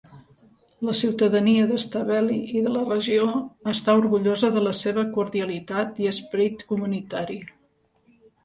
La ciutadania de Stavely i de la regió està orgullosa de la seva cordialitat i esperit comunitari.